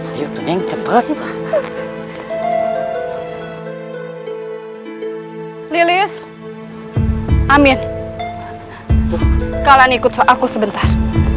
lilies amin kalian ikut aku sebentar